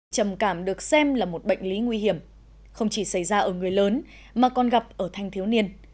trầm cảm được xem là một bệnh lý nguy hiểm không chỉ xảy ra ở người lớn mà còn gặp ở thanh thiếu niên